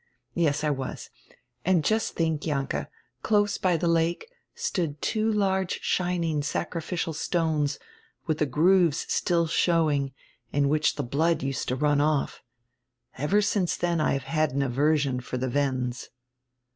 "Yes, I was. And just think, Jahnke, close by the lake stood two large shining sacrificial stones, with the grooves still showing, in which the blood used to run off. Lver since then I have had an aversion for the Wends."